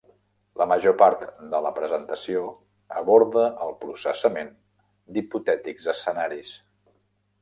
La major part de la presentació aborda el processament d'hipotètics escenaris.